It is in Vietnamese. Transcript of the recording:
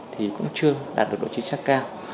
thì cũng chưa đạt được độ chính xác cao